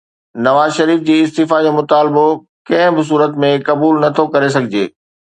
نواز شريف جي استعيفيٰ جو مطالبو ڪنهن به صورت ۾ قبول نه ٿو ڪري سگهجي.